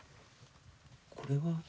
これは？